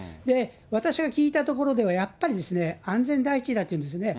私が聞いた所ではやっぱりですね、安全第一だというんですね。